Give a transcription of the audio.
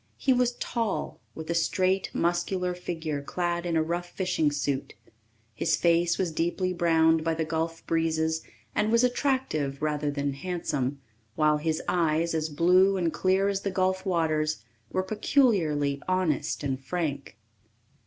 He was tall, with a straight, muscular figure clad in a rough fishing suit. His face was deeply browned by the gulf breezes and was attractive rather than handsome, while his eyes, as blue and clear as the gulf waters, were peculiarly honest and frank.